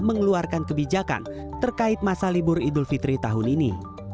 mengeluarkan kebijakan terkait masa libur idul fitri tahun ini